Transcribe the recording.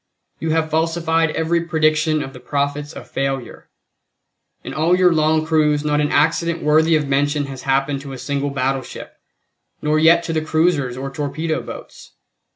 You have falsified every prediction of the prophets of failure. In all your long cruise not an accident worthy of mention has happened to a single battleship, nor yet to the cruisers or torpedo boats.